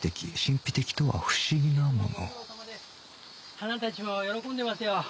花たちも喜んでますよ。